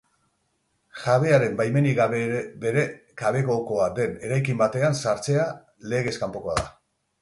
Jabearen baimenik gabe bere jabegokoa den eraikin batean sartzea legez kanpokoa da.